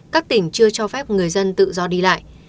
các tỉnh chưa cho phép người dân tự do đi lại